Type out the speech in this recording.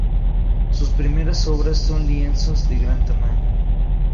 Sus primeras obras son lienzos de gran tamaño.